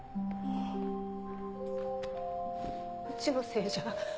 うちのせいじゃ。